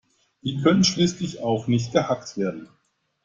Die können schließlich auch nicht gehackt werden.